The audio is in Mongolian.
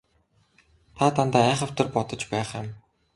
Та дандаа айхавтар бодож байх юм.